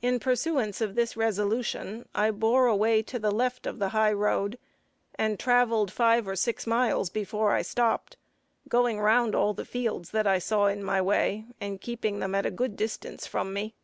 In pursuance of this resolution, I bore away to the left of the high road, and traveled five or six miles before I stopped, going round all the fields that I saw in my way, and keeping them at a good distance from me.